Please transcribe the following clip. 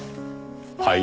はい？